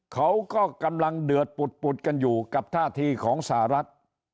เขาก็กำลังเดือดปุดกันอยู่กับท่าทีของสหรัฐ